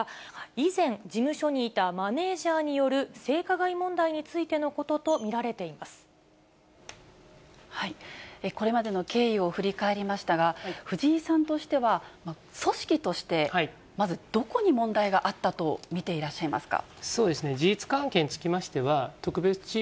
以前、事務所にいたマネージャーによる性加害問題についてのことと見らこれまでの経緯を振り返りましたが、藤井さんとしては、組織として、まず、どこに問題があったと見ていらっしゃいますか。